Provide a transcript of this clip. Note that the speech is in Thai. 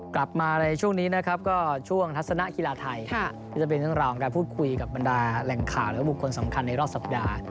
กลับมาในช่วงนี้นะครับก็ช่วงทัศนะกีฬาไทยก็จะเป็นเรื่องราวของการพูดคุยกับบรรดาแหล่งข่าวและบุคคลสำคัญในรอบสัปดาห์